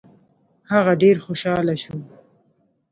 هغه ډېر خوشاله شو.